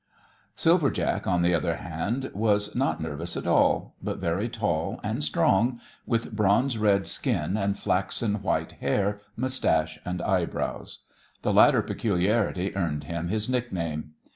Silver Jack, on the other hand, was not nervous at all, but very tall and strong, with bronze red skin, and flaxen white hair, mustache and eyebrows. The latter peculiarity earned him his nickname.